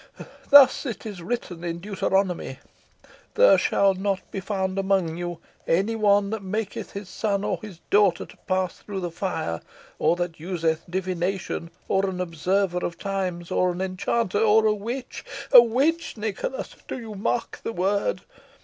Thus it is written in Deuteronomy: 'There shall not be found among you any one that maketh his son or his daughter to pass through the fire, or that useth divination, or an observer of times, or an enchanter, or a witch.' A witch, Nicholas do you mark the word?